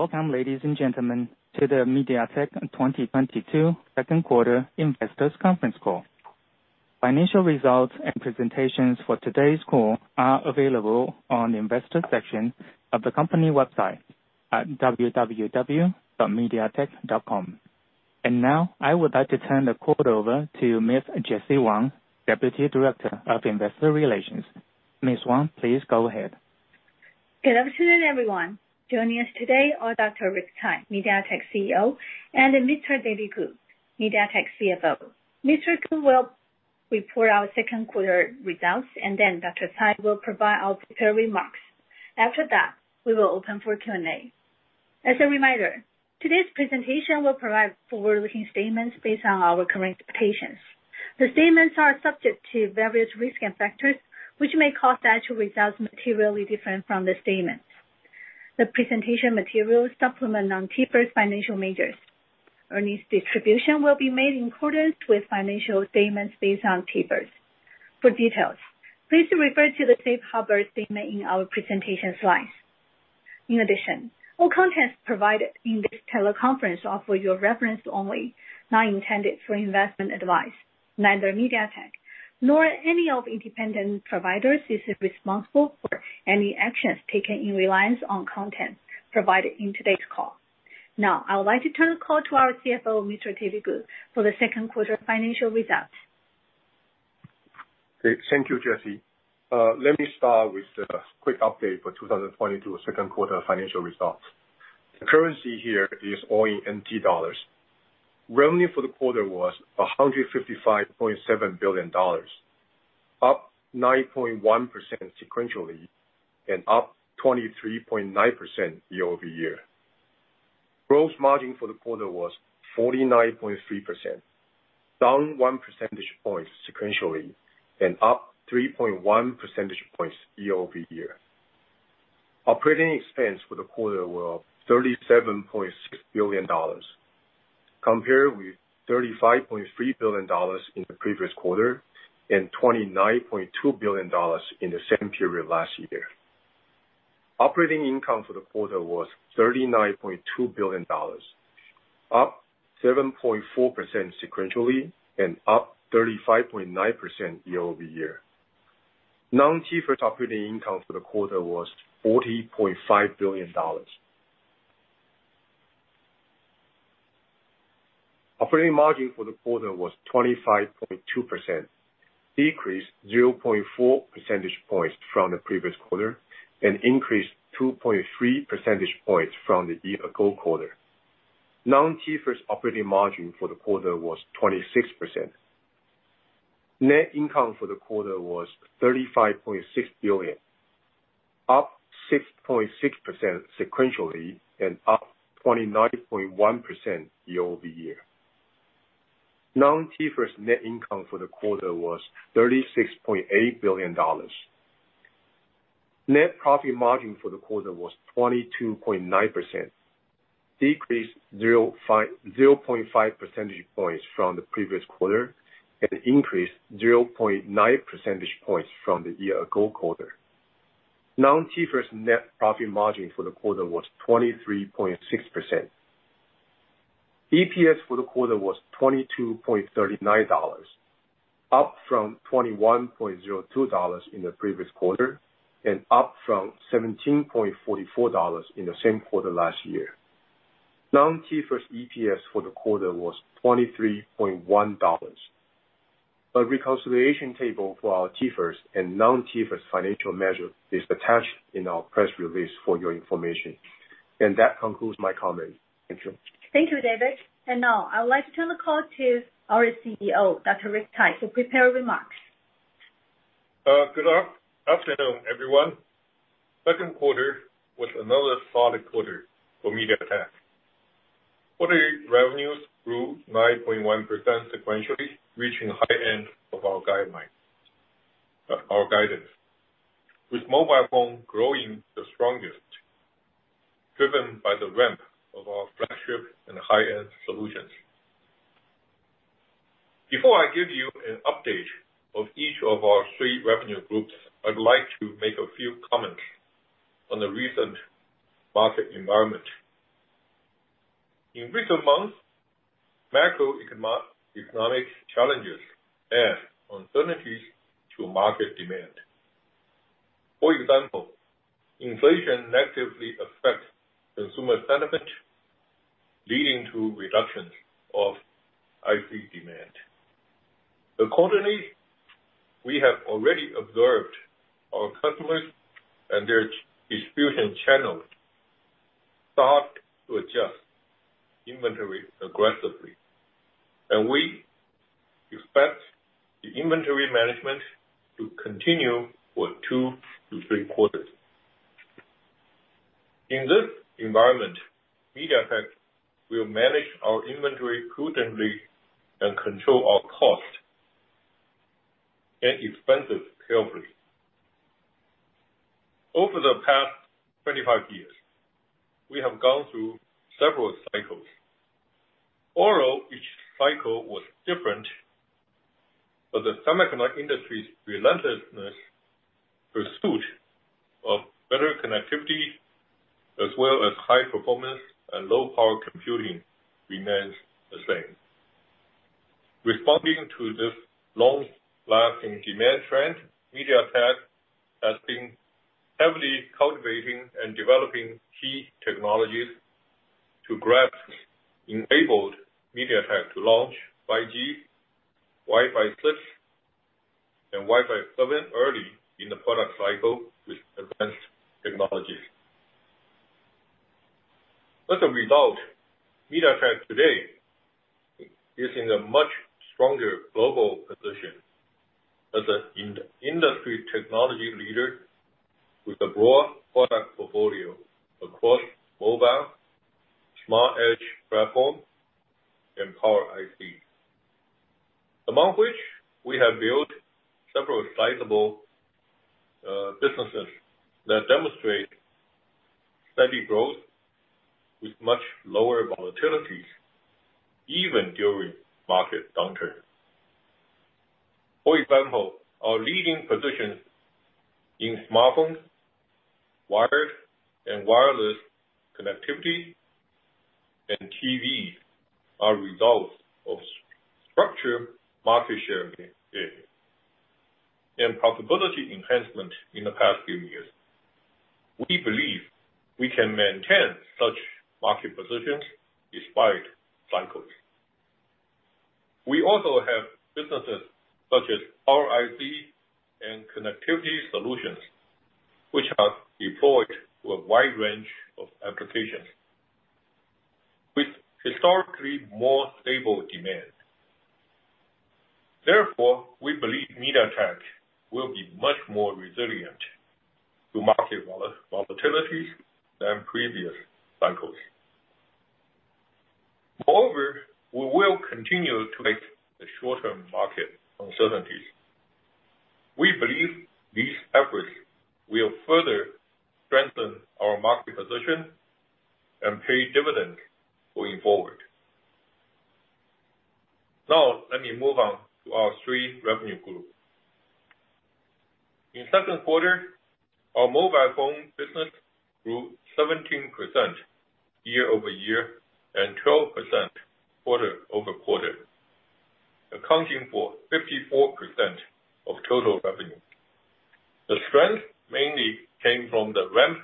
Welcome, ladies and gentlemen, to the MediaTek 2022 second quarter investors conference call. Financial results and presentations for today's call are available on the investor section of the company website at www.mediatek.com. Now I would like to turn the call over to Ms. Jessie Wang, Deputy Director of Investor Relations. Ms. Wang, please go ahead. Good afternoon, everyone. Joining us today are Dr. Rick Tsai, MediaTek CEO, and Mr. David Ku, MediaTek CFO. Mr. Ku will report our second quarter results, and then Dr. Tsai will provide our prepared remarks. After that, we will open for Q&A. As a reminder, today's presentation will provide forward-looking statements based on our current expectations. The statements are subject to various risks and factors which may cause actual results materially different from the statements. The presentation materials supplement non-GAAP financial measures. Earnings distribution will be made in accordance with financial statements based on GAAP. For details, please refer to the safe harbor statement in our presentation slides. In addition, all content provided in this teleconference are for your reference only, not intended for investment advice. Neither MediaTek nor any of independent providers is responsible for any actions taken in reliance on content provided in today's call. Now, I would like to turn the call to our CFO, Mr. David Ku, for the second quarter financial results. Thank you, Jessie. Let me start with a quick update for 2022 second quarter financial results. The currency here is all in TWD dollars. Revenue for the quarter was 155.7 billion dollars, up 9.1% sequentially and up 23.9% year-over-year. Gross margin for the quarter was 49.3%, down one percentage point sequentially and up 3.1 percentage points year-over-year. Operating expense for the quarter were TWD 37.6 billion, compared with TWD 35.3 billion in the previous quarter and TWD 29.2 billion in the same period last year. Operating income for the quarter was TWD 39.2 billion, up 7.4 sequentially, and up 35.9% year-over-year. non-GAAP operating income for the quarter was 40.5 billion dollars. Operating margin for the quarter was 25.2%, decreased 0.4 percentage points from the previous quarter, and increased 2.3 percentage points from the year ago quarter. Non-GAAP operating margin for the quarter was 26%. Net income for the quarter was 35.6 billion, up 6.6% sequentially and up 29.1% year-over-year. Non-GAAP net income for the quarter was $36.8 billion. Net profit margin for the quarter was 22.9%, decreased zero point five percentage points from the previous quarter and increased 0.9 percentage points from the year ago quarter. Non-GAAP net profit margin for the quarter was 23.6%. EPS for the quarter was $22.39, up from $21.02 in the previous quarter and up from $17.44 in the same quarter last year. Non-GAAP EPS for the quarter was $23.1. A reconciliation table for our GAAP and non-GAAP financial measure is attached in our press release for your information. That concludes my comments. Thank you. Thank you, David. Now I would like to turn the call to our CEO, Dr. Rick Tsai, for prepared remarks. Good afternoon, everyone. Second quarter was another solid quarter for MediaTek. Quarter revenues grew 9.1% sequentially, reaching high end of our guidance, with mobile phone growing the strongest, driven by the ramp of our flagship and high-end solutions. Before I give you an update of each of our three revenue groups, I'd like to make a few comments on the recent market environment. In recent months, macroeconomic challenges add uncertainties to market demand. For example, inflation negatively affects consumer sentiment, leading to reductions of IC demand. Accordingly, we have already observed our customers and their distribution channels start to adjust inventory aggressively, and we expect the inventory management to continue for two to three quarters. In this environment, MediaTek will manage our inventory prudently and control our cost and expenses carefully. Over the past 25 years Have gone through several cycles. Although each cycle was different, the semiconductor industry's relentless pursuit of better connectivity as well as high performance and low power computing remains the same. Responding to this long-lasting demand trend, MediaTek has been heavily cultivating and developing key technologies that have enabled MediaTek to launch 5G, Wi-Fi 6 and Wi-Fi 7 early in the product cycle with advanced technologies. As a result, MediaTek today is in a much stronger global position as an industry technology leader with a broad product portfolio across mobile, smart edge platform and Power IC. Among which we have built several sizable businesses that demonstrate steady growth with much lower volatilities even during market downturn. For example, our leading position in smartphone, wired and wireless connectivity, and TV are results of structure, market share gain, and profitability enhancement in the past few years. We believe we can maintain such market positions despite cycles. We also have businesses such as Power IC and connectivity solutions, which are deployed to a wide range of applications with historically more stable demand. Therefore, we believe MediaTek will be much more resilient to market volatilities than previous cycles. Moreover, we will continue to mitigate the short-term market uncertainties. We believe these efforts will further strengthen our market position and pay dividends going forward. Now let me move on to our three revenue groups. In the second quarter, our mobile phone business grew 17% year-over-year and 12% quarter-over-quarter, accounting for 54% of total revenue. The strength mainly came from the ramp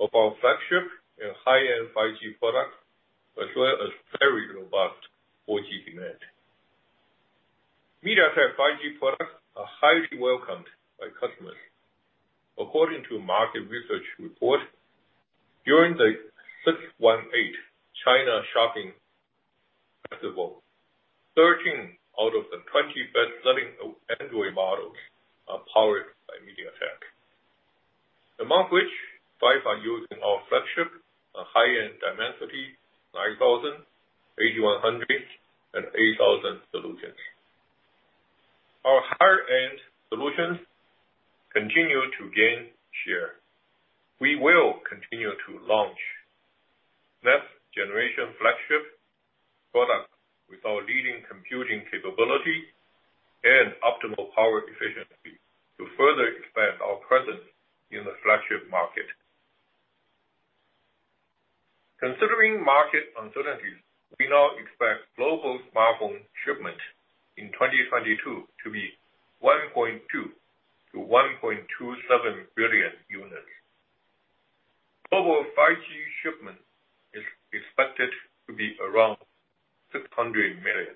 of our flagship and high-end 5G product, as well as very robust 4G demand. MediaTek 5G products are highly welcomed by customers. According to market research report, during the 618 Shopping Festival, 13 out of the 20 best-selling Android models are powered by MediaTek. Among which five are using our flagship, our high-end Dimensity 9000, 8100 and 8000 solutions. Our higher end solutions continue to gain share. We will continue to launch next generation flagship product with our leading computing capability and optimal power efficiency to further expand our presence in the flagship market. Considering market uncertainties, we now expect global smartphone shipment in 2022 to be 1.2 billion-1.27 billion units. Global 5G shipment is expected to be around 600 million,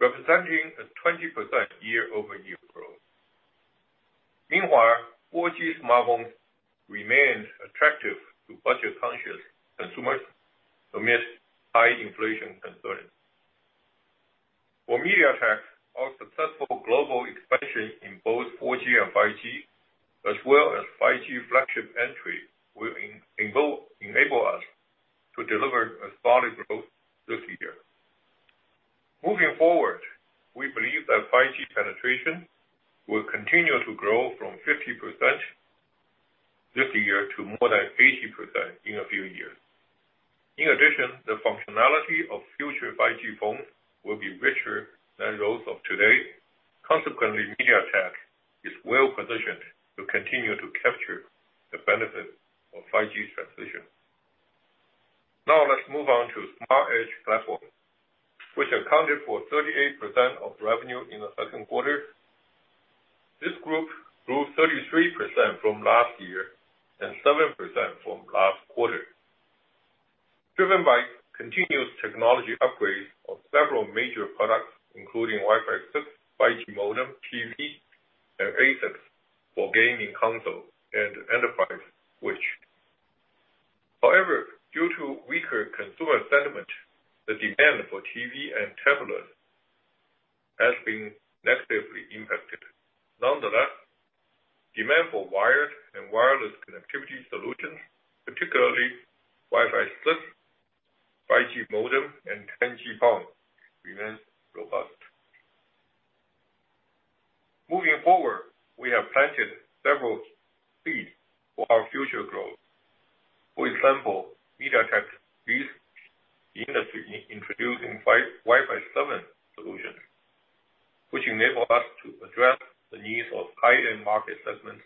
representing a 20% year-over-year growth. Meanwhile, 4G smartphone remains attractive to budget-conscious consumers amidst high inflation concerns. For MediaTek, our successful global expansion in both 4G and 5G, as well as 5G flagship entry, will enable us to deliver a solid growth this year. Moving forward, we believe that 5G penetration will continue to grow from 50% this year to more than 80% in a few years. In addition, the functionality of future 5G phones will be richer than those of today. Consequently, MediaTek is well-positioned to continue to capture the benefit of 5G transition. Now let's move on to smart edge platform, which accounted for 38% of revenue in the second quarter. This group grew 33% from last year and 7% from last quarter. Driven by continuous technology upgrades of several major products including Wi-Fi 6, 5G modem, TV and ASICs for gaming console and enterprise switch. However, due to weaker consumer sentiment, the demand for TV and tablets has been negatively impacted. Nonetheless, demand for wired and wireless connectivity solutions, particularly Wi-Fi 6, 5G modem and 10G-PON remains robust. We have planted several seeds for our future growth. For example, MediaTek leads the industry in introducing Wi-Fi 7 solutions, which enable us to address the needs of high-end market segments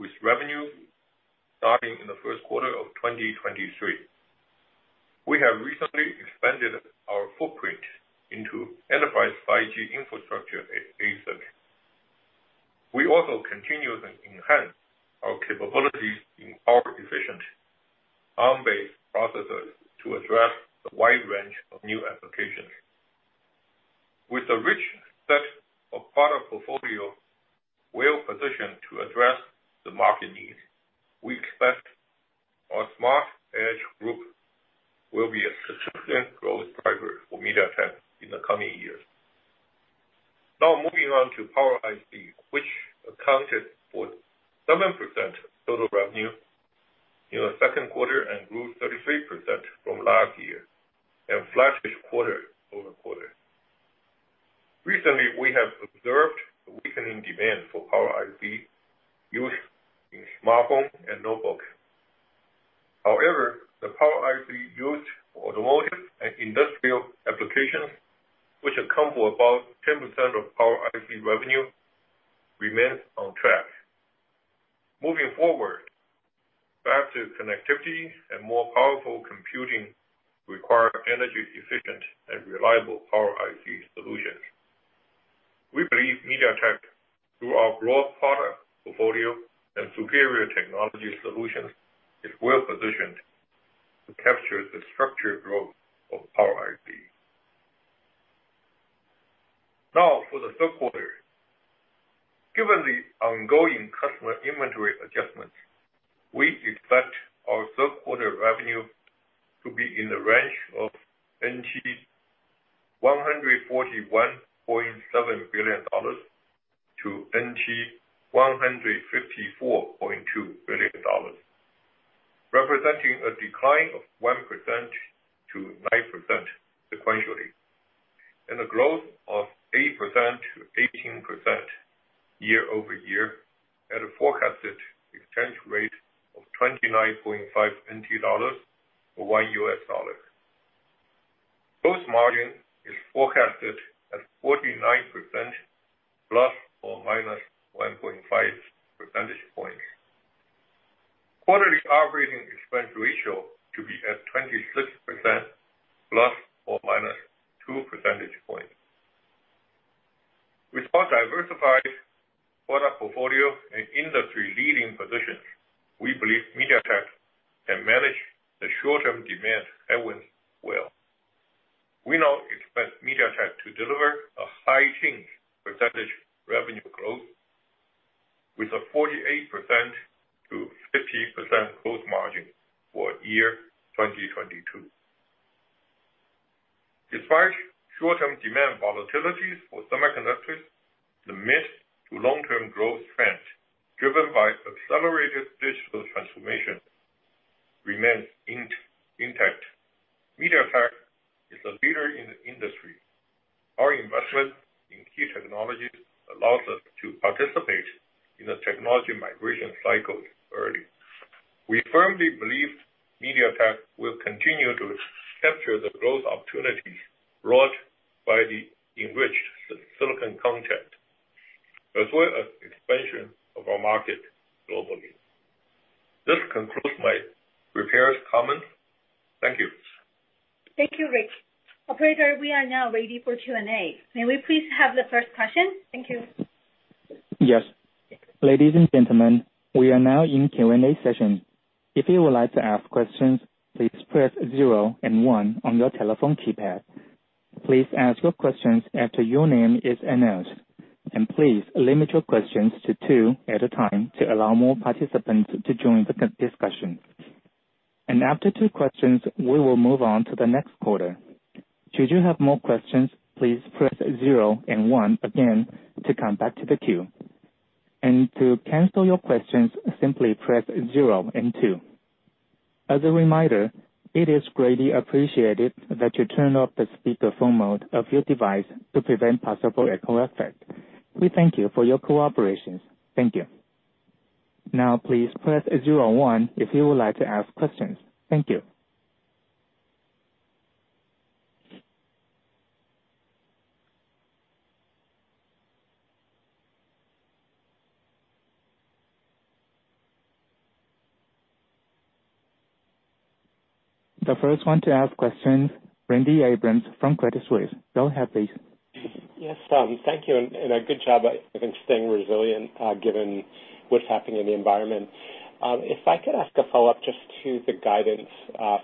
with revenue starting in the first quarter of 2023. We have recently expanded our footprint into enterprise 5G infrastructure segment. We also continuously enhance our capabilities in power efficient Arm-based processors to address the wide range of new applications. With a rich set of product portfolio, we are positioned to address the market needs. We expect our smart edge group will be a significant growth driver for MediaTek in the coming years. Now moving on to Power IC, which accounted for 7% total revenue in the second quarter and grew 33% from last year and flat quarter-over-quarter. Recently, we have observed a weakening demand for Power IC used in smartphone and notebook. However, the Power IC used for automotive and industrial applications, which account for about 10% of Power IC revenue, remains on track. Moving forward, faster connectivity and more powerful computing require energy efficient and reliable Power IC solutions. We believe MediaTek, through our broad product portfolio and superior technology solutions, is well-positioned to capture the structured growth of Power IC. Now for the third quarter. Given the ongoing customer inventory adjustments, we expect our third quarter revenue to be in the range of 141.7 billion NT dollars to 154.2 billion NT dollars, representing a decline of 1%-9% sequentially, and a growth of 8%-18% year over year at a forecasted exchange rate of 29.5 NT dollars to one US dollar. Gross margin is forecasted at 49% ±1.5 percentage points. Quarterly operating expense ratio to be at 26% ±2 percentage points. With our diversified product portfolio and industry-leading positions, we believe MediaTek can manage the short-term demand headwinds well. We now expect MediaTek to deliver a high teens % revenue growth with a 48%-50% gross margin for year 2022. Despite short-term demand volatilities for semiconductors, the mid to long-term growth trends driven by accelerated digital transformation remains intact. MediaTek is a leader in the industry. Our investment in key technologies allows us to participate in the technology migration cycles early. We firmly believe MediaTek will continue to capture the growth opportunities brought by the enriched silicon content, as well as expansion of our market globally. This concludes my prepared comments. Thank you. Thank you, Rick. Operator, we are now ready for Q&A. May we please have the first question? Thank you. Yes. Ladies and gentlemen, we are now in Q&A session. If you would like to ask questions, please press zero and one on your telephone keypad. Please ask your questions after your name is announced, and please limit your questions to two at a time to allow more participants to join the discussion. After two questions, we will move on to the next caller. Should you have more questions, please press zero and one again to come back to the queue. To cancel your questions, simply press zero and two. As a reminder, it is greatly appreciated that you turn off the speakerphone mode of your device to prevent possible echo effect. We thank you for your cooperation. Thank you. Now please press zero one if you would like to ask questions. Thank you. The first one to ask questions, Randy Abrams from Credit Suisse. Go ahead, please. Yes, thank you, and good job staying resilient given what's happening in the environment. If I could ask a follow-up just to the guidance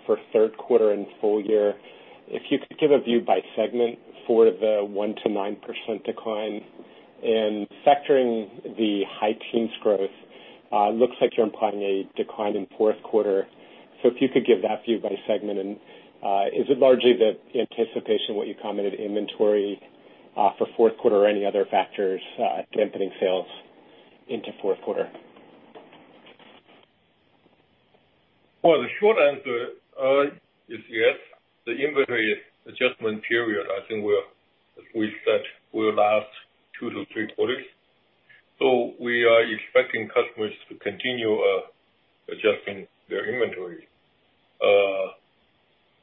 for third quarter and full year. If you could give a view by segment for the 1%-9% decline. Is it largely the anticipation, what you commented, inventory, for fourth quarter or any other factors dampening sales into fourth quarter? Well, the short answer is yes. The inventory adjustment period, I think we said will last two to three quarters. We are expecting customers to continue adjusting their inventory.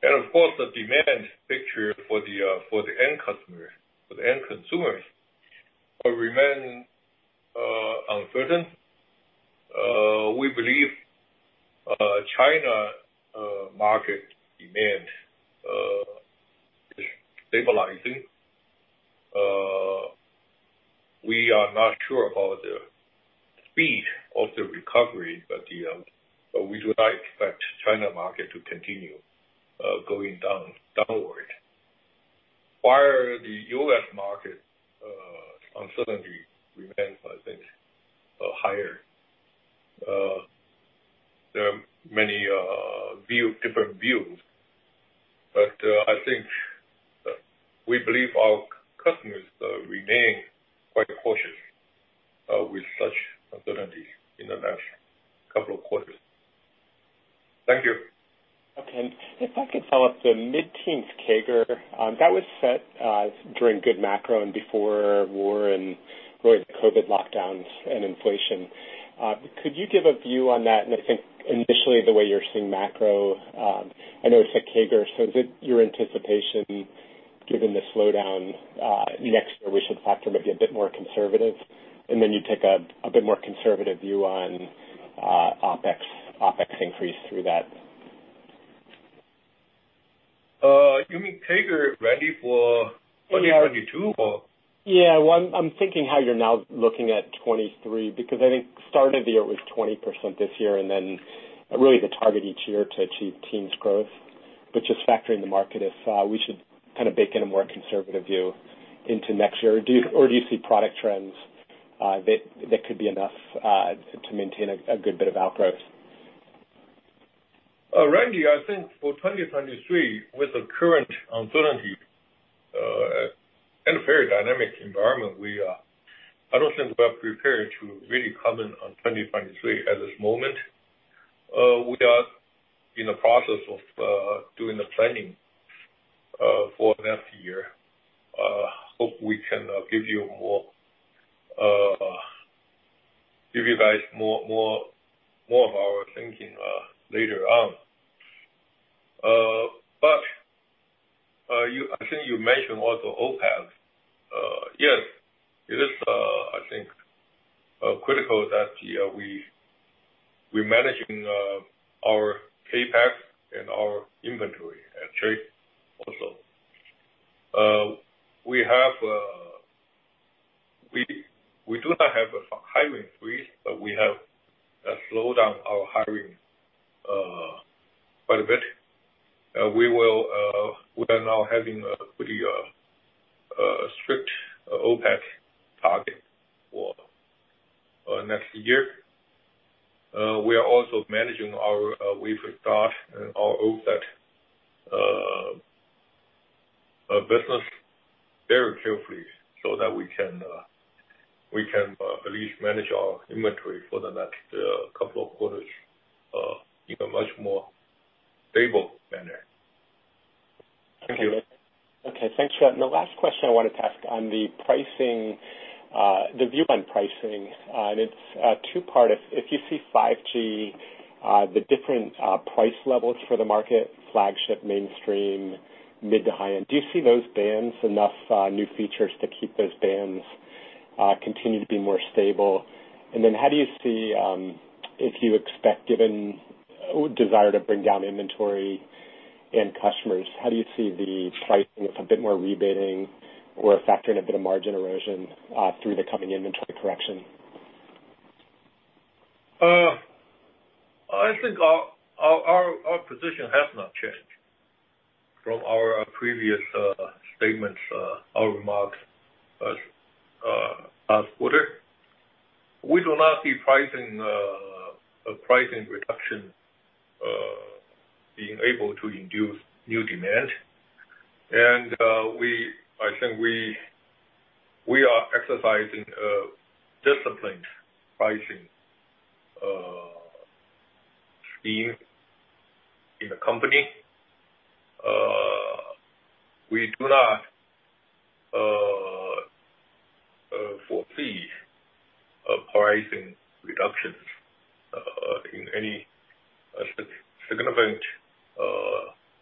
Of course, the demand picture for the end customer, for the end consumers will remain uncertain. We believe China market demand is stabilizing. We are not sure about the speed of the recovery, but we do not expect China market to continue going downward. While the U.S. market uncertainty remains, I think higher. There are many different views. I think we believe our customers remain quite cautious with such uncertainty in the next couple of quarters. Thank you. Okay. If I could follow up on the mid-teens CAGR that was set during good macro and before war and really the COVID lockdowns and inflation. Could you give a view on that and I think initially the way you're seeing macro, I know it's a CAGR, so is it your anticipation given the slowdown next year we should factor maybe a bit more conservative? You take a bit more conservative view on OpEx increase through that. You mean CAGR, Randy, for 2022 or? Yeah. Well, I'm thinking how you're now looking at 2023 because I think start of the year was 20% this year and then really the target each year to achieve teens growth. Just factoring the market if we should kind of bake in a more conservative view into next year. Do you or do you see product trends that could be enough to maintain a good bit of outgrowth? Randy, I think for 2023 with the current uncertainty and a very dynamic environment, I don't think we are prepared to really comment on 2023 at this moment. We are in the process of doing the planning for next year. Hope we can give you guys more of our thinking later on. I think you mentioned also OpEx. Yes, it is, I think, critical that we are managing our CapEx and our inventory and trade also. We do not have a hiring freeze, but we have slowed down our hiring quite a bit. We are now having a pretty strict OpEx target for next year. We are also managing our wafer start and our OSAT business very carefully so that we can at least manage our inventory for the next couple of quarters in a much more stable manner. Thank you. Okay, thanks for that. The last question I wanted to ask on the pricing, the view on pricing, and it's two-part. If you see 5G, the different price levels for the market, flagship, mainstream, mid to high end. Do you see those bands enough new features to keep those bands continue to be more stable? Then how do you see, if you expect given desire to bring down inventory and customers, how do you see the pricing with a bit more rebating or factoring a bit of margin erosion through the coming inventory correction? I think our position has not changed from our previous statements or remarks last quarter. We do not see pricing reduction being able to induce new demand. I think we are exercising a disciplined pricing scheme in the company. We do not foresee pricing reductions in any significant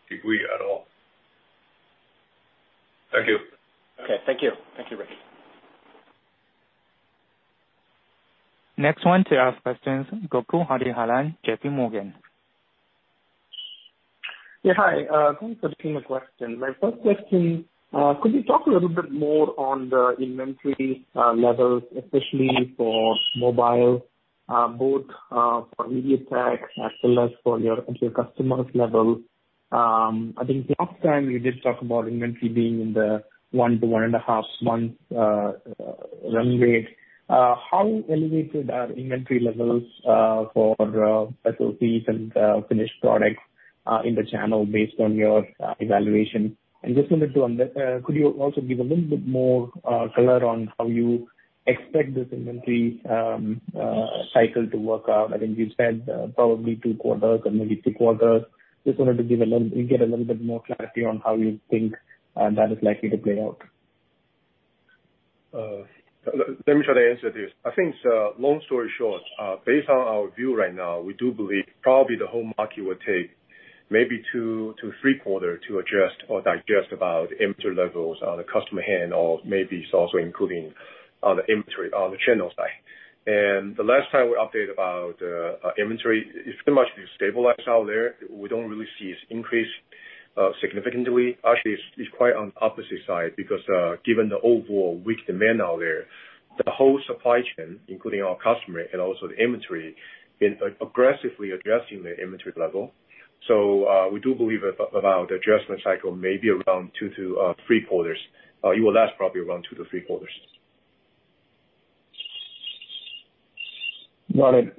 degree at all. Thank you. Okay. Thank you. Thank you, Rick. Next one to ask questions, Gokul Hariharan, JPMorgan. Yeah, hi. Thanks for taking the question. My first question, could you talk a little bit more on the inventory levels, especially for mobile, both for MediaTek as well as for your actual customers level? I think last time you did talk about inventory being in the 1-1.5 months run rate. How elevated are inventory levels for SoCs and finished products in the channel based on your evaluation? Just wanted to, could you also give a little bit more color on how you expect this inventory cycle to work out? I think you've said probably two quarters or maybe three quarters. Just wanted to get a little bit more clarity on how you think that is likely to play out. Let me try to answer this. I think, so long story short, based on our view right now, we do believe probably the whole market will take maybe two to three quarters to adjust or digest about inventory levels on the customer hand or maybe it's also including the inventory on the channel side. The last time we update about inventory, it's pretty much been stabilized out there. We don't really see it increase significantly. Actually it's quite on opposite side because given the overall weak demand out there, the whole supply chain, including our customer and also the inventory, been aggressively adjusting the inventory level. We do believe about the adjustment cycle may be around two to three quarters. It will last probably around two to three quarters. Got it.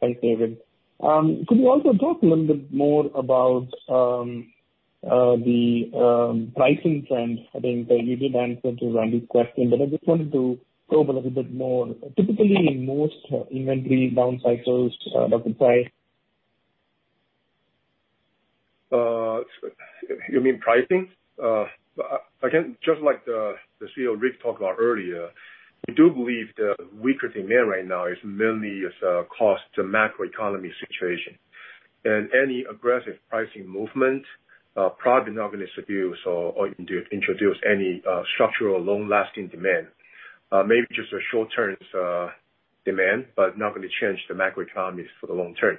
Thanks, David. Could you also talk a little bit more about the pricing trends? I think that you did answer to Randy's question, but I just wanted to probe a little bit more. Typically, in most inventory down cycles, doesn't price. You mean pricing? Again, just like the CEO Rick Tsai talked about earlier, we do believe the weaker demand right now is mainly due to the macroeconomic situation. Any aggressive pricing movement probably not gonna do so, or introduce any structural long-lasting demand. Maybe just a short-term demand, but not gonna change the macroeconomy for the long term.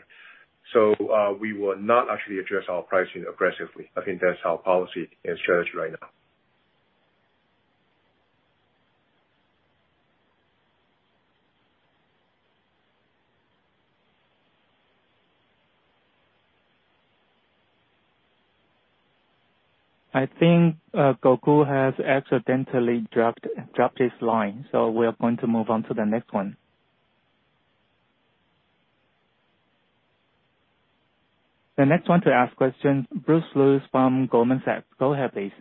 We will not actually adjust our pricing aggressively. I think that's our policy as shared right now. I think, Gokul has accidentally dropped his line, so we are going to move on to the next one. The next one to ask question, Bruce Lu from Goldman Sachs. Go ahead, please.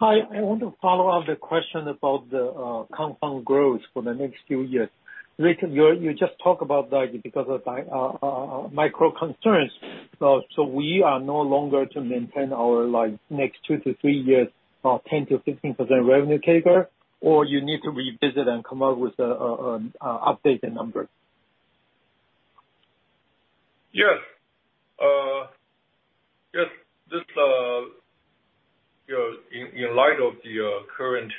Hi, I want to follow up the question about the compound growth for the next few years. Rick, you just talked about that because of my macro concerns. We are no longer to maintain our, like, next two to three years 10%-15% revenue CAGR, or you need to revisit and come out with updated numbers? Yes. Yes. Just, you know, in light of the current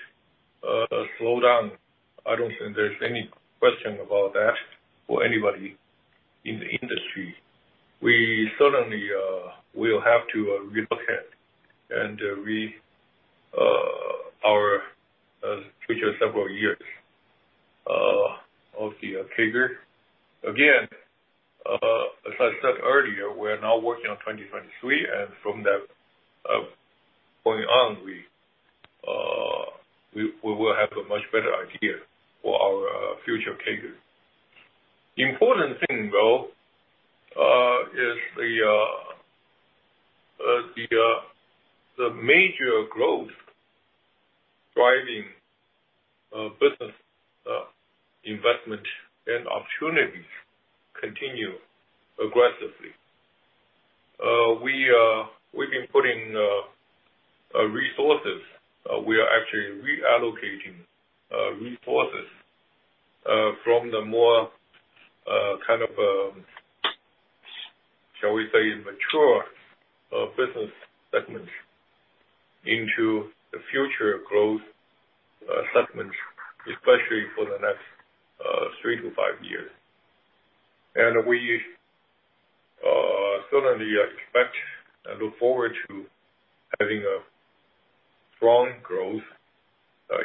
slowdown, I don't think there's any question about that for anybody in the industry. We certainly will have to re-look at our future several years of the CAGR. Again, as I said earlier, we're now working on 2023, and from that point on, we will have a much better idea for our future CAGR. The important thing though is the major growth driving business investment and opportunities continue aggressively. We've been putting resources. We are actually reallocating resources from the more kind of, shall we say, mature business segments into the future growth segments, especially for the next three to five years. We certainly expect and look forward to having a strong growth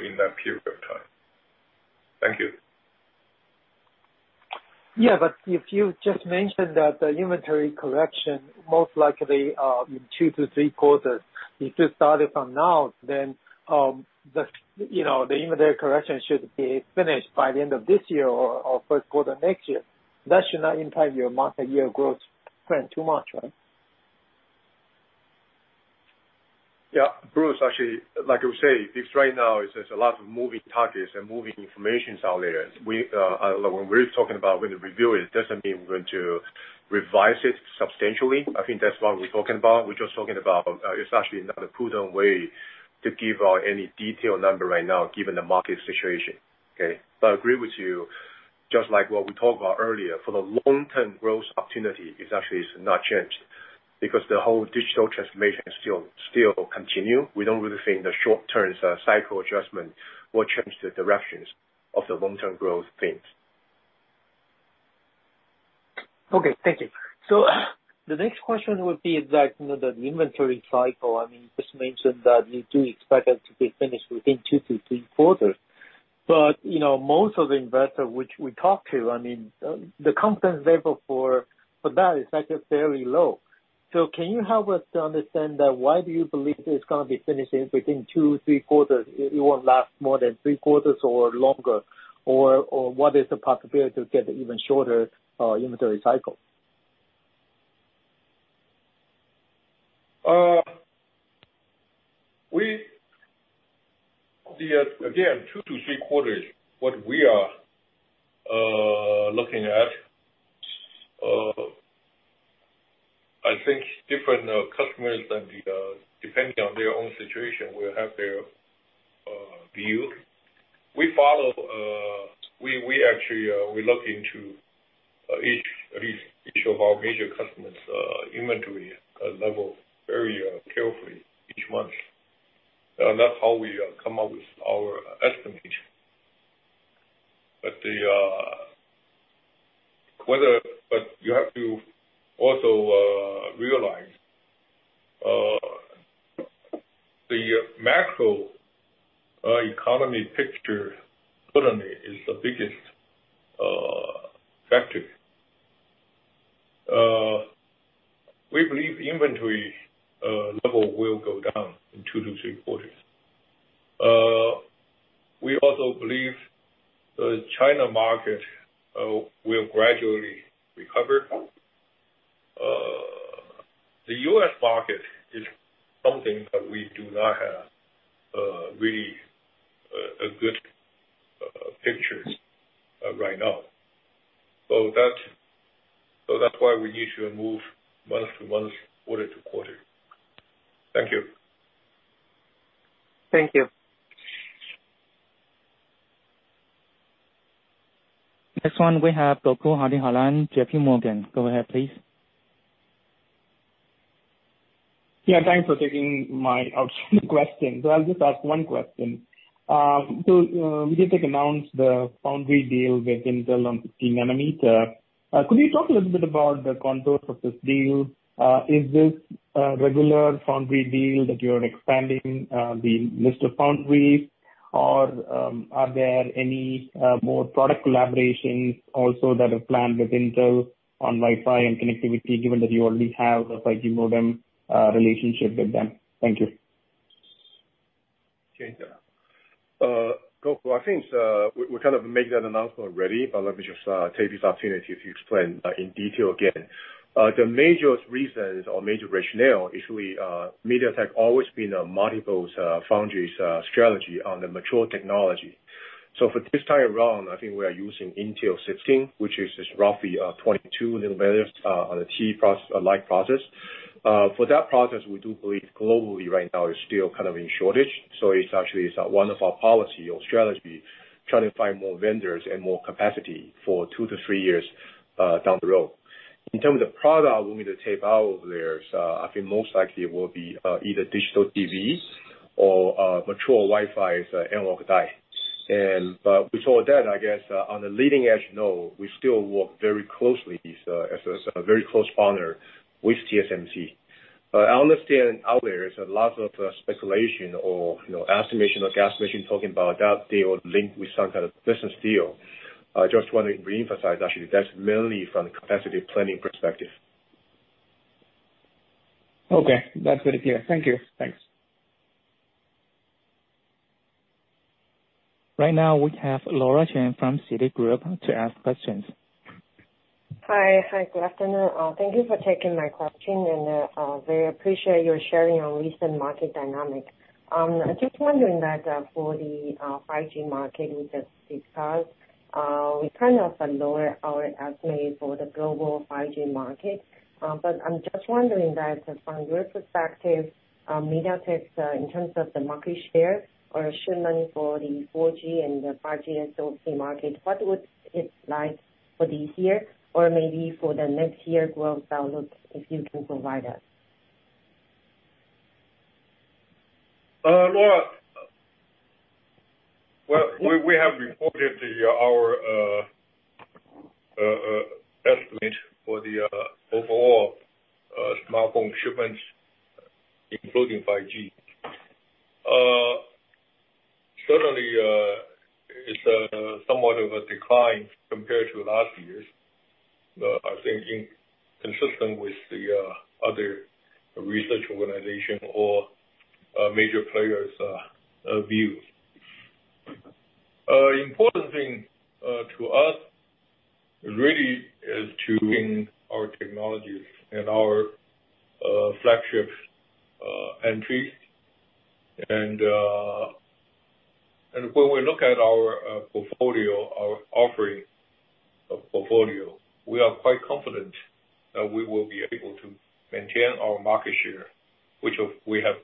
in that period of time. Thank you. If you just mentioned that the inventory correction most likely in two to three quarters, if you started from now, then you know, the inventory correction should be finished by the end of this year or first quarter next year. That should not impact your month and year growth plan too much, right? Yeah. Bruce, actually, like I would say, this right now is there's a lot of moving targets and moving information out there. We, when we're talking about when to review it doesn't mean we're going to revise it substantially. I think that's what we're talking about. We're just talking about, it's actually not a prudent way to give out any detailed number right now given the market situation, okay? I agree with you, just like what we talked about earlier, for the long term growth opportunity, it's actually not changed because the whole digital transformation still continue. We don't really think the short term cycle adjustment will change the directions of the long term growth themes. Okay, thank you. The next question would be that, you know, the inventory cycle, I mean, just mentioned that you do expect it to be finished within two to three quarters. You know, most of the investor which we talk to, I mean, the confidence level for that is, like, fairly low. Can you help us to understand that why do you believe this is gonna be finishing within two to three quarters? It won't last more than three quarters or longer. Or what is the possibility to get even shorter inventory cycle? The again two to three quarters what we are looking at. I think different customers than the depending on their own situation will have their view. We actually look into at least each of our major customers' inventory level very carefully each month. That's how we come up with our estimation. You have to also realize the macro economy picture certainly is the biggest factor. We believe inventory level will go down in two to three quarters. We also believe the China market will gradually recover. The U.S. market is something that we do not have really a good picture right now. That's why we need to move month-to-month, quarter-to-quarter. Thank you. Thank you. Next one we have Gokul Hariharan, JPMorgan. Go ahead, please. Yeah, thanks for taking my question. I'll just ask one question. MediaTek announced the foundry deal with Intel on 15nm. Could you talk a little bit about the contours of this deal? Is this a regular foundry deal that you are expanding the list of foundries? Or, are there any more product collaborations also that are planned with Intel on Wi-Fi and connectivity, given that you already have a 5G modem relationship with them? Thank you. Okay. Gokul, I think we kind of made that announcement already, but let me just take this opportunity to explain in detail again. The major reasons or major rationale is we MediaTek always been a multi-foundry strategy on the mature technology. For this time around, I think we are using Intel 16, which is roughly 22 nanometers on a FinFET process. For that process, we do believe globally right now is still kind of in shortage. It's actually one of our policy or strategy, trying to find more vendors and more capacity for 2-3 years down the road. In terms of product we need to take out there, so I think most likely it will be either digital TVs or mature Wi-Fi analog die. With all that, I guess, on the leading edge node, we still work very closely with TSMC as a very close partner. I understand out there is a lot of speculation or, you know, estimation or guesstimation talking about that they would link with some kind of business deal. I just want to reemphasize actually that's mainly from a capacity planning perspective. Okay. That's very clear. Thank you. Thanks. Right now we have Laura Chen from Citigroup to ask questions. Hi, good afternoon. Thank you for taking my question, and I very much appreciate your sharing on recent market dynamic. Just wondering that, for the 5G market we just discussed, we kind of lower our estimate for the global 5G market. But I'm just wondering that from your perspective, MediaTek's, in terms of the market share or shipment for the 4G and the 5G SoC market, what would it look like for this year or maybe for the next year growth outlook, if you can provide us? Laura, well, we have reported our estimate for the overall smartphone shipments, including 5G. Certainly, it's somewhat of a decline compared to last year's. I think is consistent with the other research organization or major players' view. Important thing to us really is to bring our technologies and our flagship entries. When we look at our portfolio, our portfolio offering, we are quite confident that we will be able to maintain our market share, which we have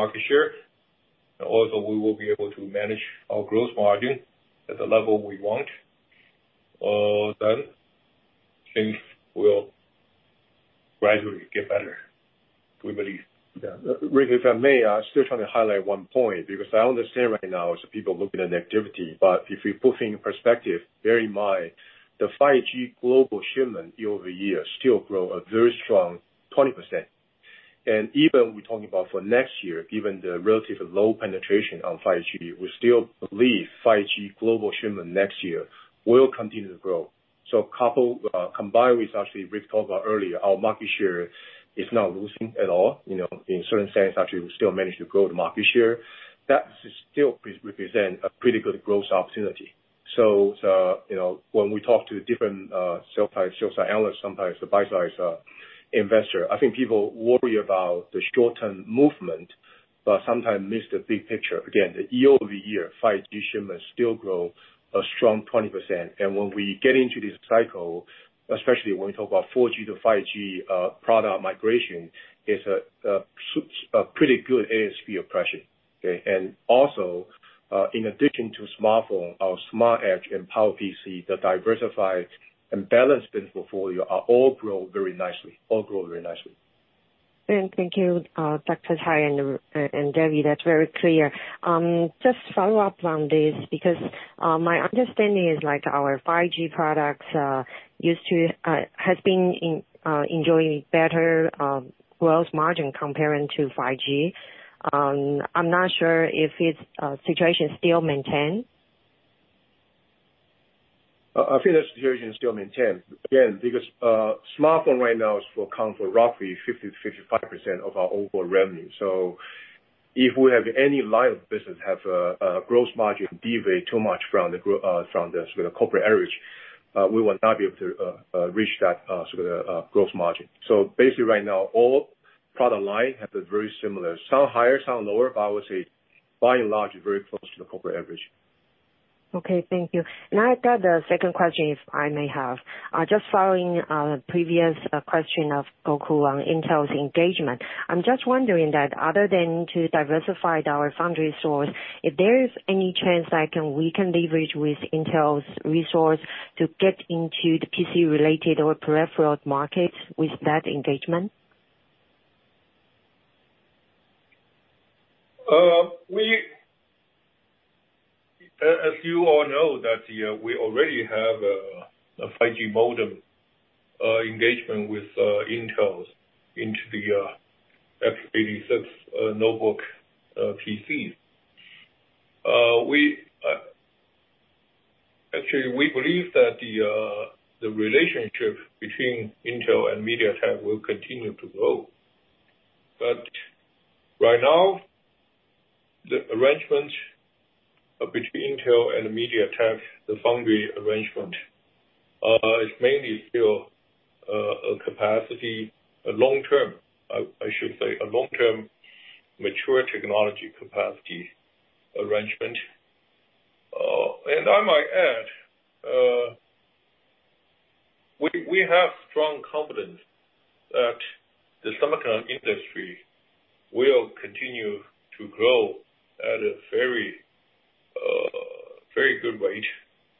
earned over the last about three years. We really are confident that these structural improvements that we have made will keep us with the strong market position that we have now, going forward into next year. The key here then is yes, that we will be able to keep our market share. Also, we will be able to manage our gross margin at the level we want. Things will gradually get better, we believe. Yeah. Rick, if I may, I still try to highlight one point, because I understand right now is people looking at negativity. If we put things in perspective, bear in mind, the 5G global shipment year-over-year still grow a very strong 20%. Even we're talking about for next year, given the relative low penetration on 5G, we still believe 5G global shipment next year will continue to grow. So, coupled with actually Rick talked about earlier, our market share is not losing at all, you know, in certain sense actually we still manage to grow the market share. That still represents a pretty good growth opportunity. So, you know, when we talk to different sell-side analysts, sometimes the buy-side investor, I think people worry about the short-term movement, but sometimes miss the big picture. Again, year-over-year 5G shipments still grow a strong 20%. When we get into this cycle, especially when we talk about 4G to 5G product migration, is a pretty good ASP appreciation. Okay? Also, in addition to smartphone, our smart edge and power IC, the diversified and balanced portfolio are all grow very nicely. Thank you, Dr. Tsai and David Ku. That's very clear. Just follow up on this because my understanding is like our 5G products used to have been enjoying better gross margin compared to 4G. I'm not sure if the situation is still maintained. I think the situation is still maintained. Again, because smartphone right now is account for roughly 50%-55% of our overall revenue. If we have any line of business have a growth margin deviate too much from the from the sort of corporate average, we will not be able to reach that sort of growth margin. Basically right now, all product line have a very similar. Some higher, some lower, but I would say by and large, very close to the corporate average. Okay, thank you. I've got a second question, if I may have. Just following previous question of Gokul on Intel's engagement. I'm just wondering that other than to diversify our foundry source, if there is any chance we can leverage with Intel's resource to get into the PC-related or peripheral markets with that engagement? As you all know, we already have a 5G modem engagement with Intel into the x86 notebook PCs. Actually, we believe that the relationship between Intel and MediaTek will continue to grow. But right now, the arrangement between Intel and MediaTek, the foundry arrangement, is mainly still a capacity, a long-term mature technology capacity arrangement. I might add, we have strong confidence that the semiconductor industry will continue to grow at a very good rate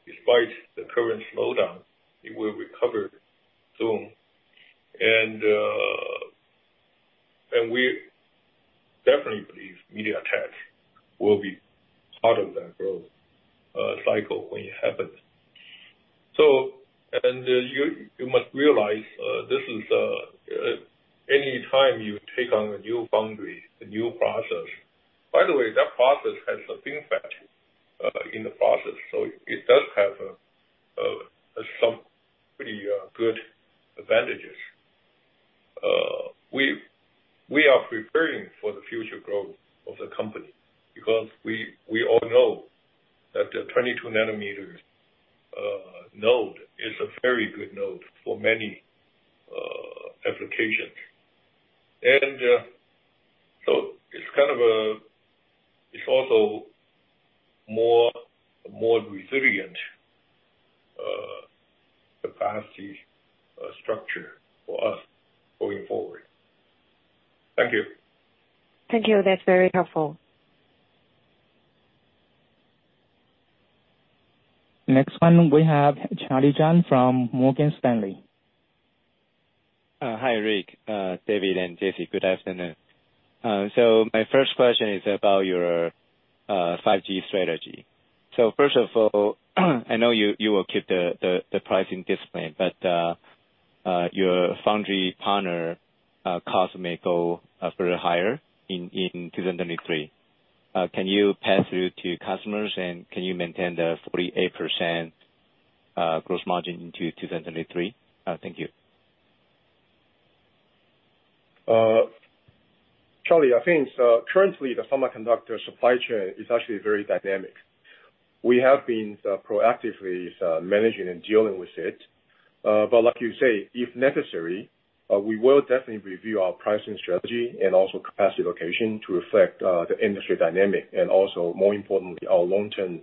despite the current slowdown. It will recover soon. We definitely believe MediaTek will be part of that growth cycle when it happens. You must realize this is any time you take on a new foundry, a new process. By the way, that process has a FinFET in the process, so it does have some pretty good advantages. We are preparing for the future growth of the company because we all know that the 22nm node is a very good node for many applications. It's also more resilient capacity structure for us going forward. Thank you. Thank you. That's very helpful. Next one we have Charlie Chan from Morgan Stanley. Hi, Rick, David, and Jessie. Good afternoon. My first question is about your 5G strategy. First of all, I know you will keep the pricing discipline, but your foundry partner costs may go a bit higher in 2023. Can you pass through to your customers, and can you maintain the 48% gross margin into 2023? Thank you. Charlie, I think currently the semiconductor supply chain is actually very dynamic. We have been proactively managing and dealing with it. Like you say, if necessary, we will definitely review our pricing strategy and also capacity allocation to reflect the industry dynamic and also more importantly, our long-term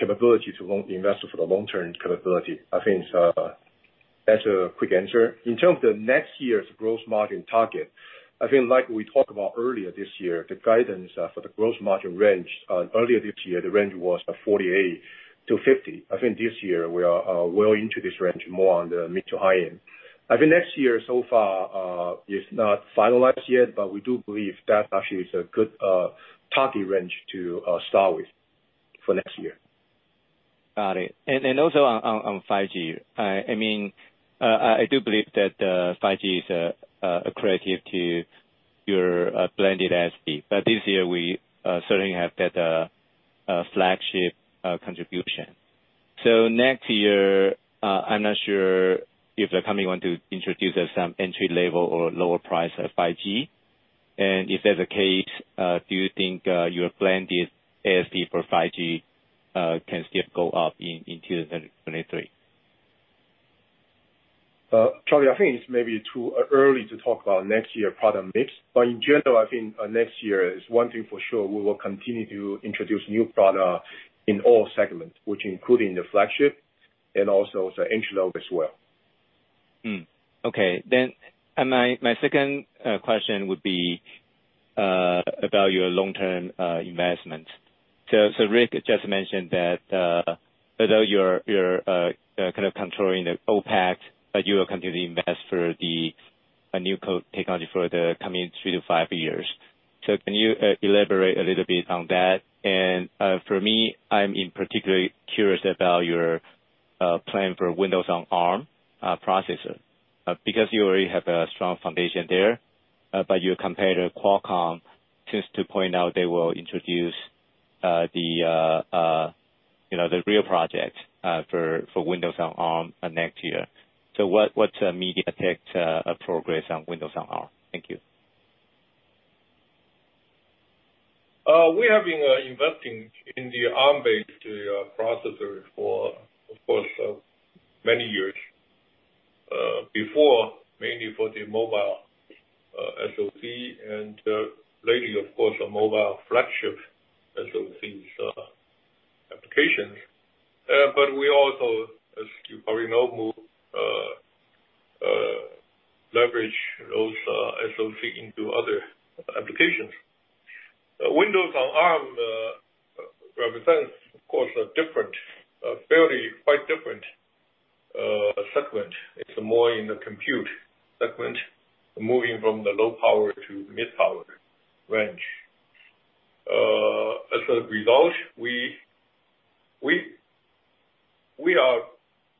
capability to invest for the long term. That's a quick answer. In terms of next year's gross margin target, I think like we talked about earlier this year, the guidance for the gross margin range earlier this year, the range was 48%-50%. I think this year we are well into this range, more on the mid to high end. I think next year so far is not finalized yet, but we do believe that actually is a good target range to start with for next year. Got it. Also on 5G. I mean, I do believe that 5G is accretive to your blended ASP, but this year we certainly have better flagship contribution. Next year, I'm not sure if the company want to introduce some entry level or lower price of 5G. If that's the case, do you think your blended ASP for 5G can still go up in 2023? Charlie Chan, I think it's maybe too early to talk about next year product mix. In general, I think, next year is one thing for sure, we will continue to introduce new product in all segments, which including the flagship and also the entry-level as well. My second question would be about your long-term investment. Rick just mentioned that although you're kind of controlling the OpEx, but you will continue to invest for a new core technology for the coming 3-5 years. Can you elaborate a little bit on that? For me, I'm particularly curious about your plan for Windows on Arm processor. Because you already have a strong foundation there, but your competitor, Qualcomm, seems to point out they will introduce, you know, the Oryon project for Windows on Arm next year. What's MediaTek's progress on Windows on Arm? Thank you. We have been investing in the Arm-based processor for, of course, many years. Before, mainly for the mobile SoC and lately, of course, a mobile flagship SoC's applications. We also, as you probably know, leverage those SoC into other applications. Windows on Arm represents, of course, a fairly quite different segment. It's more in the compute segment, moving from the low power to mid power range. As a result,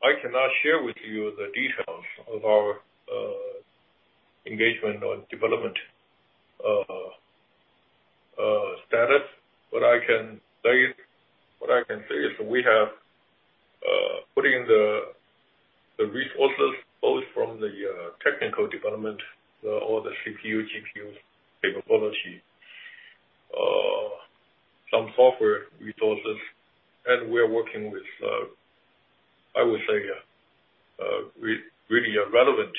I cannot share with you the details of our engagement or development status. What I can say is we have putting the resources both from the technical development, all the CPU, GPU capability, some software resources, and we're working with, I would say, really a relevant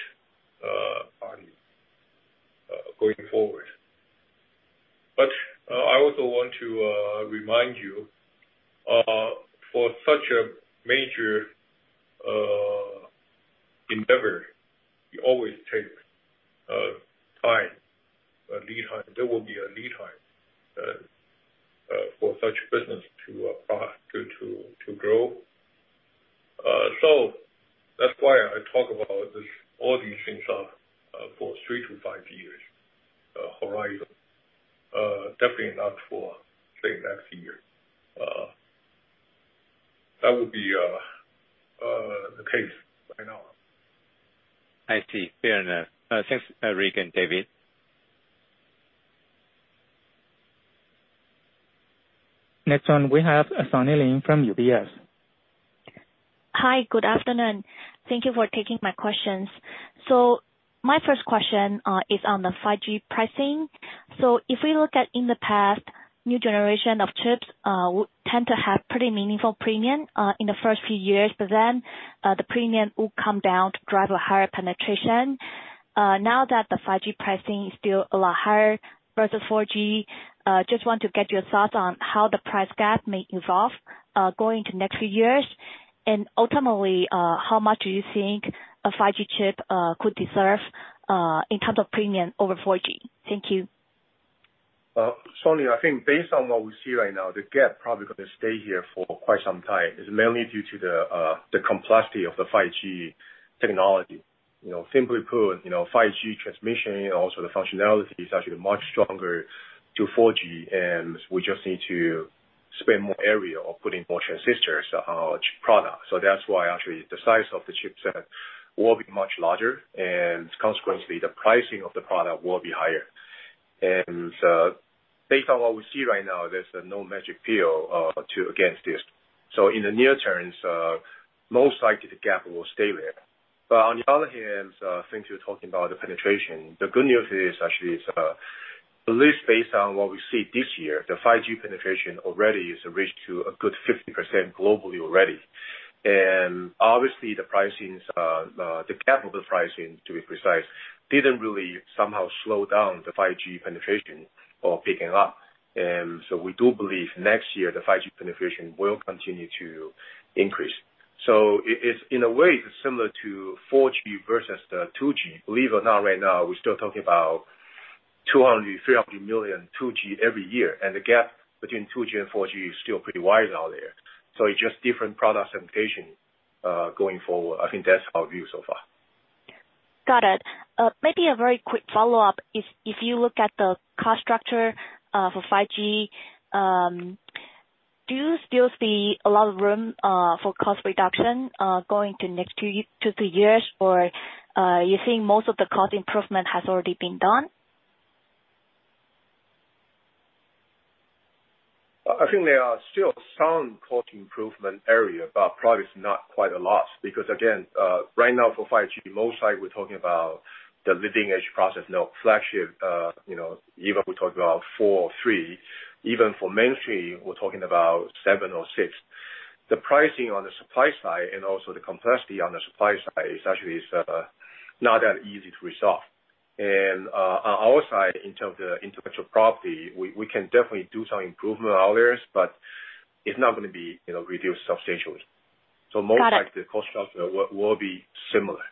party going forward. I also want to remind you, for such a major endeavor, it always takes time, a lead time. There will be a lead time for such business to to grow. That's why I talk about this, all these things are for three to five years horizon. Definitely not for, say, next year. That would be the case right now. I see. Fair enough. Thanks, Rick and David. Next one, we have Sunny Lin from UBS. Hi. Good afternoon. Thank you for taking my questions. My first question is on the 5G pricing. If we look at in the past, new generation of chips would tend to have pretty meaningful premium in the first few years, but then the premium will come down to drive a higher penetration. Now that the 5G pricing is still a lot higher versus 4G, just want to get your thoughts on how the price gap may evolve going to next few years. Ultimately, how much do you think a 5G chip could deserve in terms of premium over 4G? Thank you. Sunny, I think based on what we see right now, the gap probably gonna stay here for quite some time. It's mainly due to the complexity of the 5G technology. You know, simply put, you know, 5G transmission and also the functionality is actually much stronger to 4G, and we just need to spend more area or put in more transistors on each product. That's why actually the size of the chipset will be much larger, and consequently the pricing of the product will be higher. Based on what we see right now, there's no magic pill to against this. In the near terms, most likely the gap will stay there. On the other hand, since you're talking about the penetration, the good news actually is, at least based on what we see this year, the 5G penetration already has reached to a good 50% globally already. Obviously the pricing is, the gap of the pricing, to be precise, didn't really somehow slow down the 5G penetration or picking up. We do believe next year the 5G penetration will continue to increase. It's, in a way, similar to 4G versus the 2G. Believe it or not, right now, we're still talking about 200 million-300 million 2G every year, and the gap between 2G and 4G is still pretty wide out there. It's just different product segmentation, going forward. I think that's our view so far. Got it. Maybe a very quick follow-up. If you look at the cost structure for 5G, do you still see a lot of room for cost reduction going to next two, three years? Or, you think most of the cost improvement has already been done? I think there are still some cost improvement area, but probably it's not quite a lot. Because again, right now for 5G, most likely we're talking about the leading edge process, you know, flagship, you know, even if we talk about four or three. Even for mainstream, we're talking about seven or six. The pricing on the supply side and also the complexity on the supply side is actually not that easy to resolve. On our side, in terms of the intellectual property, we can definitely do some improvement on others, but it's not gonna be, you know, reduced substantially. Got it. Most likely, the cost structure will be similar.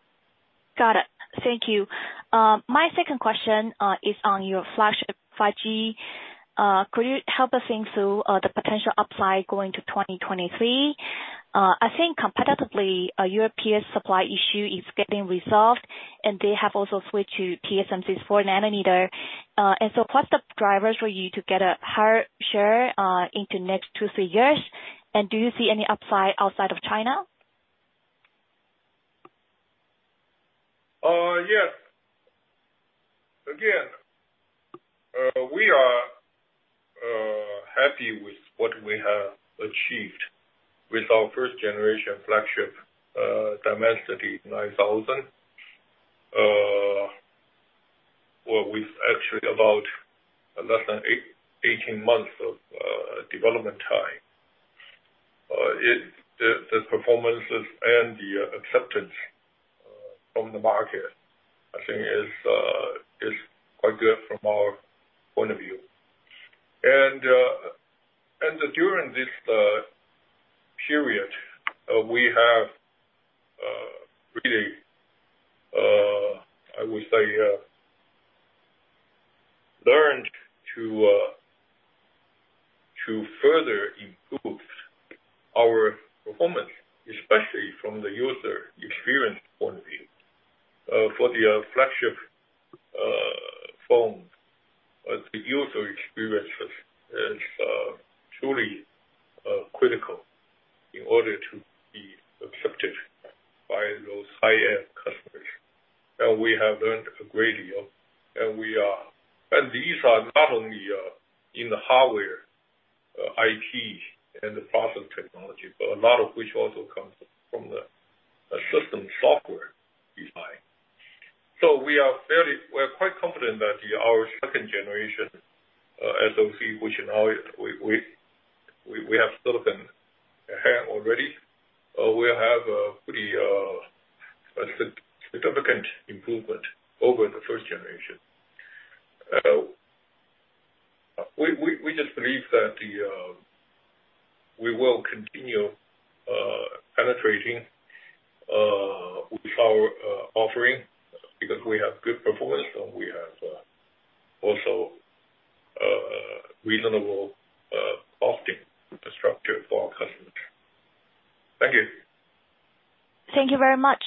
Got it. Thank you. My second question is on your flagship 5G. Could you help us think through the potential upside going into 2023? I think competitively, your peer supply issue is getting resolved, and they have also switched to TSMC's 4nm. What's the drivers for you to get a higher share into next two, three years? Do you see any upside outside of China? Yes. Again, we are happy with what we have achieved with our first generation flagship, Dimensity 9000. With actually about less than 18 months of development time. The performances and the acceptance from the market, I think is quite good from our point of view. During this period, we have really, I would say, learned to further improve our performance, especially from the user experience point of view. For the flagship phone, the user experiences is truly critical in order to be accepted by those high-end customers. We have learned a great deal. These are not only in the hardware, IT and the process technology, but a lot of which also comes from the system software design. We are quite confident that our second generation SoC, which now we have silicon at hand already, will have a pretty significant improvement over the first generation. We just believe that we will continue penetrating with our offering because we have good performance and we have also reasonable cost structure for our customers. Thank you. Thank you very much.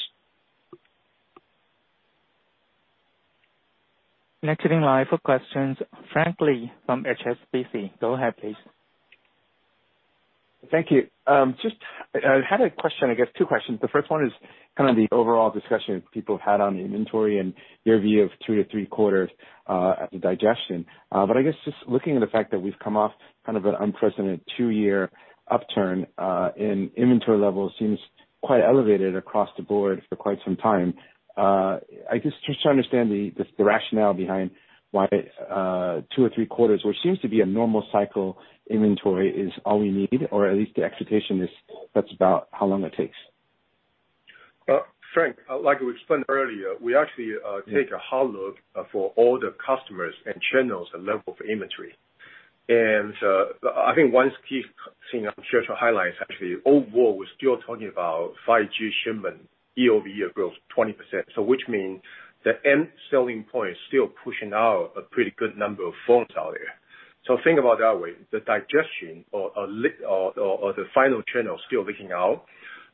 Next in line for questions, Frank Lee from HSBC. Go ahead, please. Thank you. I had a question, I guess two questions. The first one is kind of the overall discussion people have had on the inventory and your view of two to three quarters of digestion. I guess just looking at the fact that we've come off kind of an unprecedented two-year upturn, and inventory levels seems quite elevated across the board for quite some time, just to understand the rationale behind why two to three quarters, which seems to be a normal cycle inventory is all we need, or at least the expectation is that's about how long it takes. Frank, like we explained earlier, we actually take a hard look for all the customers and channels and level of inventory. I think one key thing I'm sure to highlight is actually overall, we're still talking about 5G shipment year-over-year growth 20%. Which means the end selling point is still pushing out a pretty good number of phones out there. Think about it that way, the digestion or the final channel is still leaking out,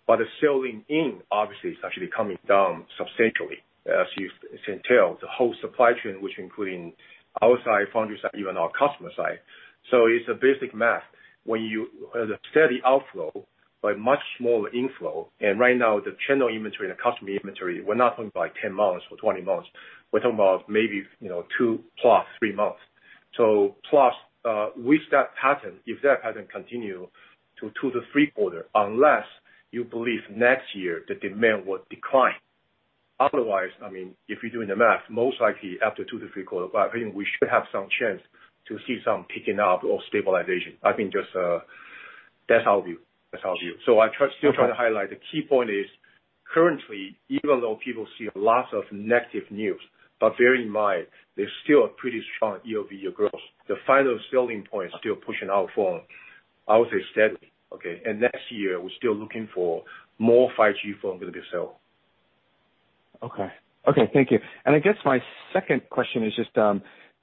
but the selling in obviously is actually coming down substantially. As you can tell, the whole supply chain, which including our side, foundry side, even our customer side. It's a basic math. When you have a steady outflow but much smaller inflow, and right now the channel inventory and the customer inventory, we're not talking about 10 months or 20 months. We're talking about maybe, you know, 2 + 3 months with that pattern, if that pattern continue to two to three quarters, unless you believe next year the demand will decline. Otherwise, I mean, if you're doing the math, most likely after two to three quarters, but I think we should have some chance to see some picking up or stabilization. I think that's our view. Still trying to highlight the key point is, currently, even though people see lots of negative news, bear in mind, there's still a pretty strong year-over-year growth. The final selling point still pushing our phone, I would say, steadily, okay? Next year, we're still looking for more 5G phone going to be sell. Okay, thank you. I guess my second question is just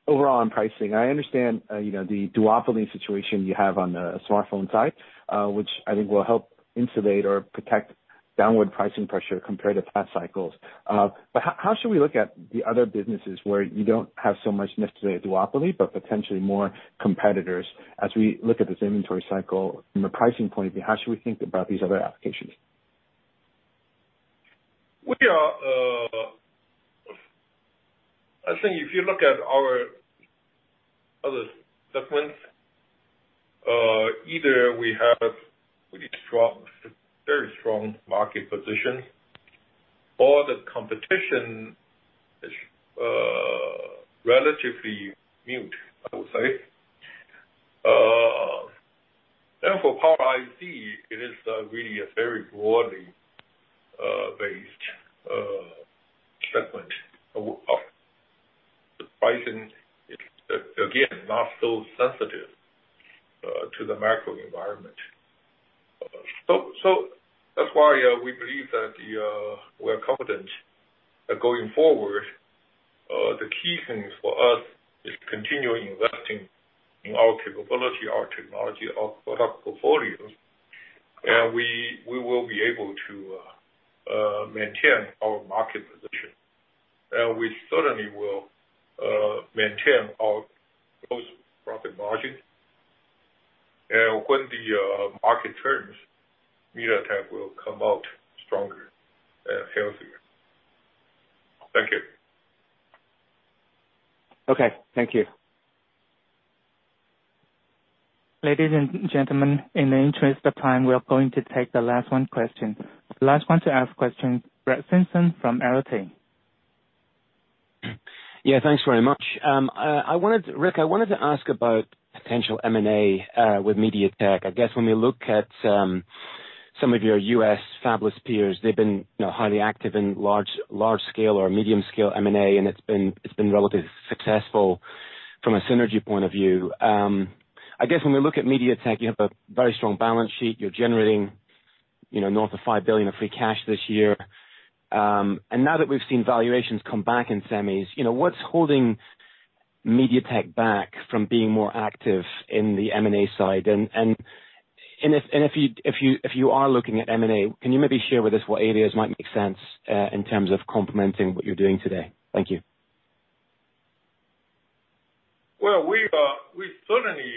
overall on pricing. I understand, you know, the duopoly situation you have on the smartphone side, which I think will help insulate or protect downward pricing pressure compared to past cycles. How should we look at the other businesses where you don't have so much necessarily a duopoly, but potentially more competitors as we look at this inventory cycle from a pricing point of view? How should we think about these other applications? I think if you look at our other segments, either we have pretty strong, very strong market position or the competition is relatively muted, I would say. For Power IC, it is really a very broadly based segment of the pricing. It's again not so sensitive to the macro environment. That's why we believe that we're confident that going forward the key things for us is continuing investing in our capability, our technology, our product portfolio. We will be able to maintain our market position. We certainly will maintain our gross profit margin. When the market turns, MediaTek will come out stronger and healthier. Thank you. Okay, thank you. Ladies and gentlemen, in the interest of time, we are going to take the last one question. The last one to ask question, Brett Simpson from Arete Research. Yeah, thanks very much. Rick, I wanted to ask about potential M&A with MediaTek. I guess when we look at some of your U.S. fabless peers, they've been, you know, highly active in large scale or medium scale M&A, and it's been relatively successful from a synergy point of view. I guess when we look at MediaTek, you have a very strong balance sheet. You're generating, you know, north of $5 billion of free cash this year. Now that we've seen valuations come back in semis, you know, what's holding MediaTek back from being more active in the M&A side? If you are looking at M&A, can you maybe share with us what areas might make sense in terms of complementing what you're doing today? Thank you. We certainly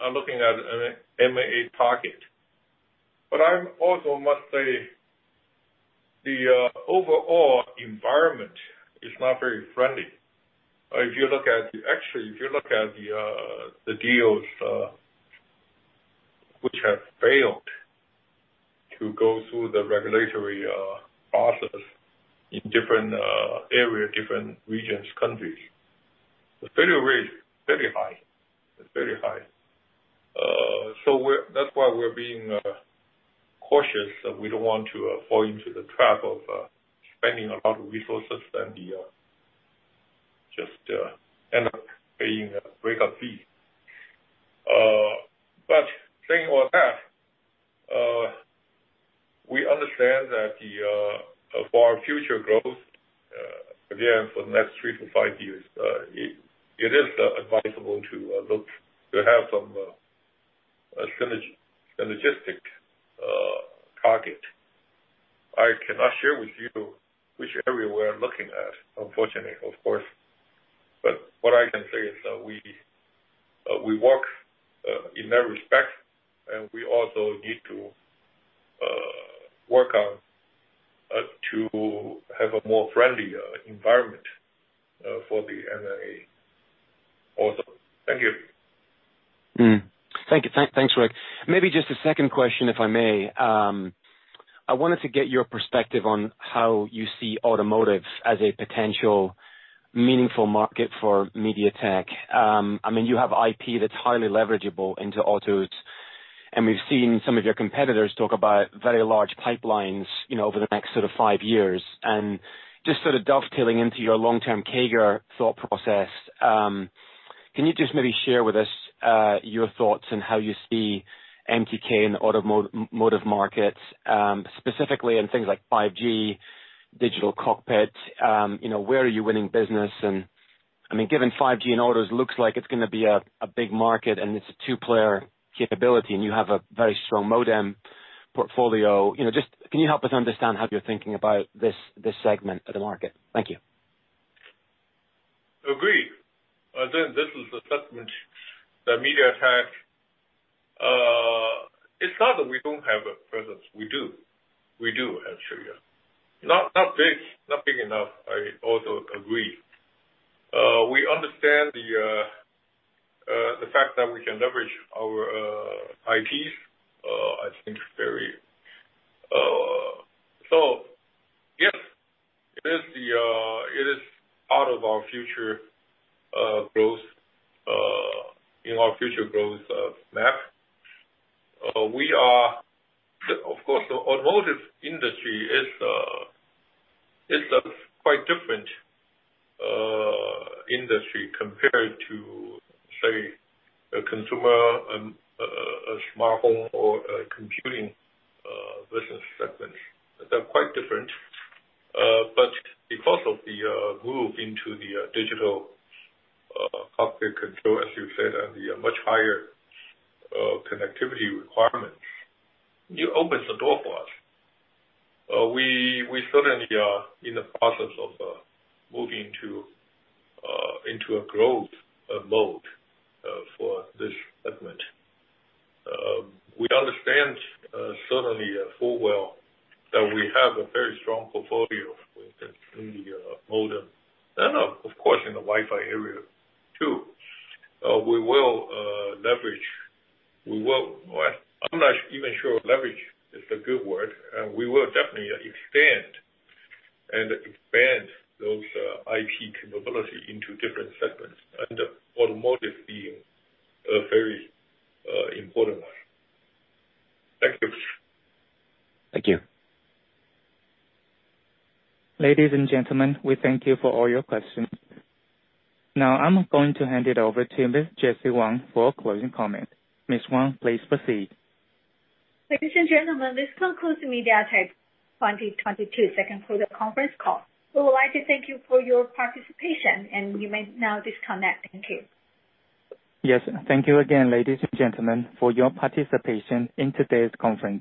are looking at an M&A target. I also must say the overall environment is not very friendly. If you look at the deals which have failed to go through the regulatory process in different areas, different regions, countries, the failure rate is very high. It's very high. That's why we're being cautious, and we don't want to fall into the trap of spending a lot of resources and then just end up paying a breakup fee. Saying all that, we understand that for our future growth, again, for the next 3-5 years, it is advisable to look to have some synergistic target. I cannot share with you which area we're looking at, unfortunately, of course. What I can say is that we work in that respect, and we also need to work on to have a more friendlier environment for the M&A also. Thank you. Thanks, Rick. Maybe just a second question, if I may. I wanted to get your perspective on how you see automotives as a potential meaningful market for MediaTek. I mean, you have IP that's highly leverageable into autos, and we've seen some of your competitors talk about very large pipelines, you know, over the next sort of five years. Just sort of dovetailing into your long-term CAGR thought process, can you just maybe share with us, your thoughts on how you see MTK in the automotive markets, specifically in things like 5G, digital cockpit, you know, where are you winning business? I mean, given 5G and autos looks like it's gonna be a big market, and it's a two-player capability, and you have a very strong modem portfolio. You know, just can you help us understand how you're thinking about this segment of the market? Thank you. Agreed. I think this is a segment that MediaTek. It's not that we don't have a presence. We do, I assure you. Not big enough, I also agree. We understand the fact that we can leverage our IPs. I think of our future growth in our future growth map. Of course, the automotive industry is a quite different industry compared to, say, a consumer smartphone or a computing business segment. They're quite different. Because of the move into the digital cockpit control, as you said, and the much higher connectivity requirements, it opens the door for us. We certainly are in the process of moving into a growth mode for this segment. We understand certainly full well that we have a very strong portfolio in the modem. Of course, in the Wi-Fi area too. Well, I'm not even sure leverage is the good word. We will definitely expand those IP capability into different segments, and the automotive being a very important one. Thank you. Thank you. Ladies and gentlemen, we thank you for all your questions. Now, I'm going to hand it over to Miss Jessie Wang for a closing comment. Miss Wang, please proceed. Ladies and gentlemen, this concludes the MediaTek 2022 second quarter conference call. We would like to thank you for your participation, and you may now disconnect. Thank you. Yes. Thank you again, ladies and gentlemen, for your participation in today's conference.